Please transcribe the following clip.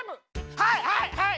はいはいはい！